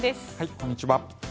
こんにちは。